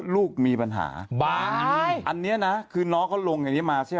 ลูกมีปัญหาบ้างอันนี้นะคือน้องเขาลงอย่างนี้มาใช่ไหม